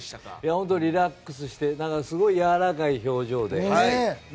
本当にリラックスしてすごくやわらかい表情で。